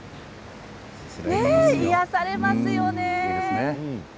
癒やされますね。